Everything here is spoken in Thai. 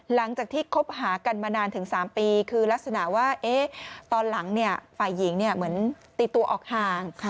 หลังจากที่คบหากันมานานถึง๓ปีคือลักษณะว่าตอนหลังฝ่ายหญิงเหมือนตีตัวออกห่าง